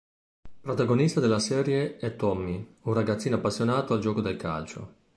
Protagonista della serie è Tommi, un ragazzino appassionato al gioco del calcio.